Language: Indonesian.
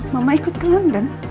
mama ikut ke london